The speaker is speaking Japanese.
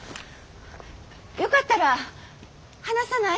よかったら話さない？